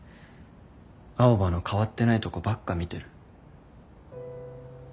青羽の変わってないとこばっか見てる。